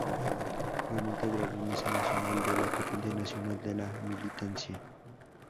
Hoy integra la mesa nacional de la Corriente Nacional de la Militancia.